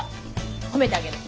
褒めてあげる。